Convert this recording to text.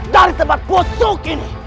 dari tempat busuk ini